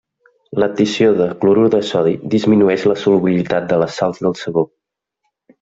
L'addició de clorur de sodi disminueix la solubilitat de les sals de sabó.